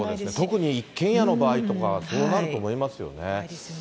特に一軒家の場合はそうなると思いますよね。